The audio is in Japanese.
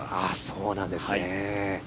そうなんですね。